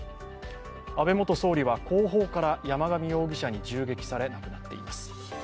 安倍元総理は後方から山上容疑者に銃撃され、亡くなっています。